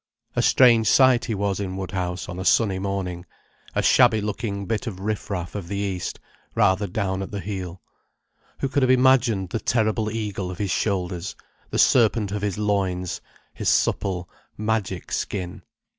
A strange sight he was in Woodhouse, on a sunny morning; a shabby looking bit of riff raff of the East, rather down at the heel. Who could have imagined the terrible eagle of his shoulders, the serpent of his loins, his supple, magic skin?